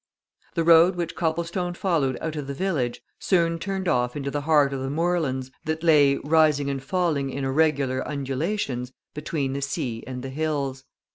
The road which Copplestone followed out of the village soon turned off into the heart of the moorlands that lay, rising and falling in irregular undulations, between the sea and the hills.